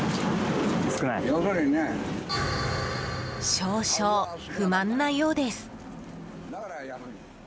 少々、不満なようです。